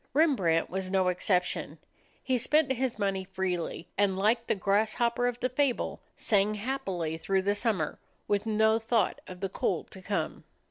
Rembrandt was no exception. He spent his money freely, and like the grasshopper of the fable, sang happily through the summer, with no thought of the cold to come.